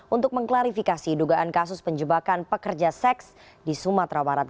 untuk mengklarifikasi dugaan kasus penjebakan pekerja seks di sumatera barat